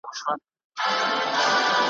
نو د وینو په سېلاب کي ستاسی کوردی `